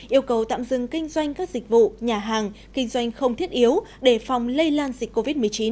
yêu cầu tạm dừng kinh doanh các dịch vụ nhà hàng kinh doanh không thiết yếu để phòng lây lan dịch covid một mươi chín